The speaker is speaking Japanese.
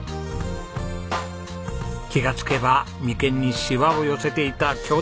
気が付けば眉間にしわを寄せていた京都時代。